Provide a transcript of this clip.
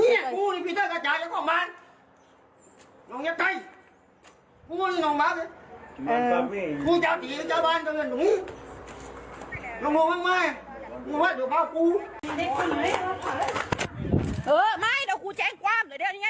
นี่กูนี่พี่เจ้ากระจายก็อมบ้านน้องเย็บไก่พูดว่านี่น้องบ้าน